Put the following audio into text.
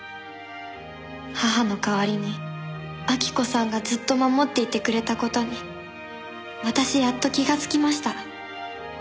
「母の代わりに晃子さんがずっと守っていてくれたことに私やっと気がつきました」